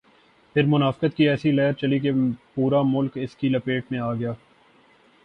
پھر منافقت کی ایسی لہر چلی کہ پورا ملک اس کی لپیٹ میں آ گیا۔